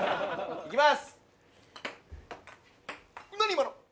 行きます。